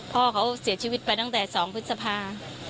พ่อเขาเสียชีวิตไปตั้งแต่๒พฤษภา